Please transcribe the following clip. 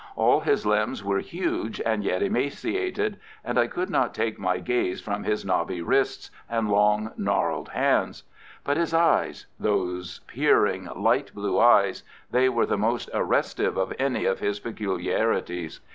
All his limbs were huge and yet emaciated, and I could not take my gaze from his knobby wrists, and long, gnarled hands. But his eyes—those peering light blue eyes—they were the most arrestive of any of his peculiarities.